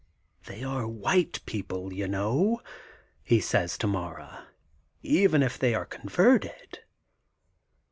"They are WHITE people, you know,'* he says to Mara, '' even if they are converted.